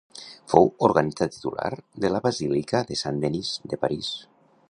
Fou organista titular de la basílica de Saint-Denis, de París.